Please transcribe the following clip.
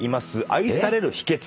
愛される秘訣。